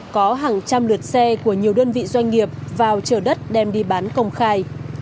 có hàng trăm lượt xe của nhiều đơn vị doanh nghiệp vào chờ đất đem đi bán công khai